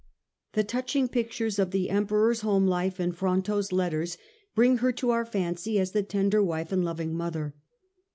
The touching pictures of the Emperor's home life in Fronto's letters bring her to our fancy as the tender wife ^nd loving mother.